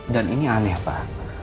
dan ini aneh pak